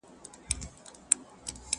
چي اوږدې غاړي لري هغه حلال که.!